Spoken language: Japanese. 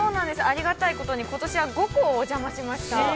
ありがたいことに、ことしは５校お邪魔しました。